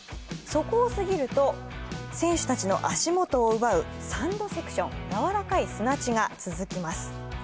そこを過ぎると選手たちの足元を奪うサンドセクションやわらかい砂地が続きます。